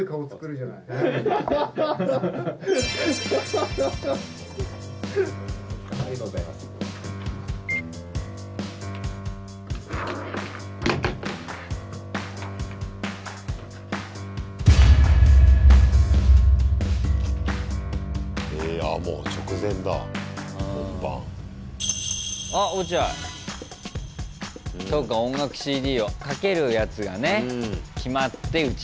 そうか音楽ＣＤをかけるやつがね決まって打ち合わせで。